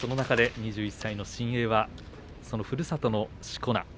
２１歳の新鋭はふるさとのしこ名